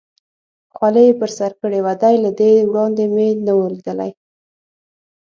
خولۍ یې پر سر کړې وه، دی له دې وړاندې مې نه و لیدلی.